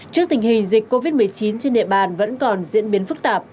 trước tình hình dịch covid một mươi chín trên địa bàn vẫn còn diễn biến phức tạp